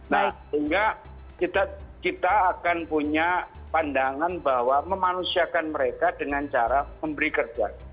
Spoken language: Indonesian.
nah sehingga kita akan punya pandangan bahwa memanusiakan mereka dengan cara memberi kerja